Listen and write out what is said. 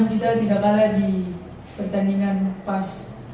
dan puji tuhan kita tidak kalah di pertandingan pas